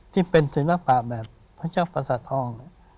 ที่เป็นศิลปะแบบพระเจ้าประสาททอง